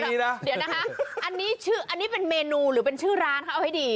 เดี๋ยวนะคะอันนี้เป็นเมนูหรือเป็นชื่อร้านค่ะเอาให้ดี